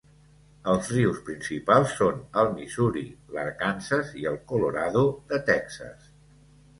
Els rius principals són el Missouri, l'Arkansas i el Colorado de Texas.